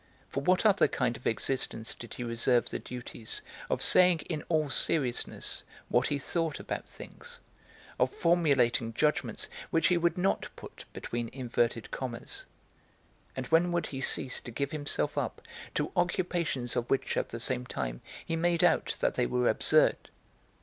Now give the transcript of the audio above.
For what other kind of existence did he reserve the duties of saying in all seriousness what he thought about things, of formulating judgments which he would not put between inverted commas; and when would he cease to give himself up to occupations of which at the same, time he made out that they were absurd?